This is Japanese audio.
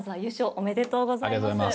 ありがとうございます。